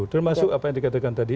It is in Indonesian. termasuk apa yang dikatakan tadi